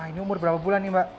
ini umur berapa bulan nih mbak